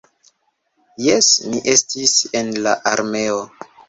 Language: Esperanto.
Jes, mi estis en la armeo.